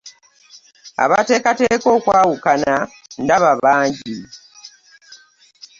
Abateekateeka okwawukana ndaba bangi.